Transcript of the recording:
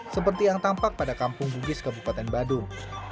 seperti yang tampak pada kampung gugis kebukatan badung